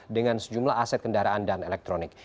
dengan sejumlah aset kendaraan dan elektronik